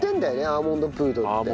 アーモンドプードルって。